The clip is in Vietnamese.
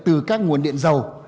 từ các nguồn điện dầu